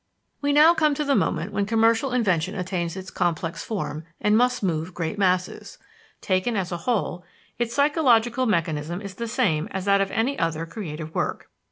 We now come to the moment when commercial invention attains its complex form and must move great masses. Taken as a whole, its psychological mechanism is the same as that of any other creative work.